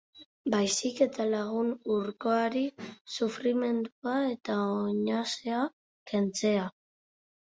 Baizik eta lagun urkoari sufrimendua eta oinazea kentzea.